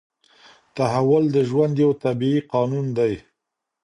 تحول د ژوند یو طبیعي قانون دی.